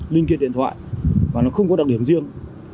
linh kiện điện thoại và nó không có đặc điểm riêng